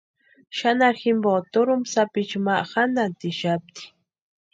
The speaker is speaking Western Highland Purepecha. Xanharu jimpo turhumpa sapichu ma jantatixapti.